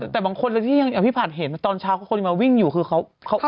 แต่บางคนที่ยังอภิพาธิเห็นตอนเช้าก็คนมาวิ่งอยู่คือเขา